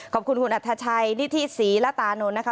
ขอบคุณคุณอัทธัชัยณิธิศรีลัตตานนท์